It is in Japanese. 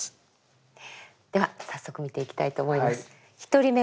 では早速見ていきたいと思います。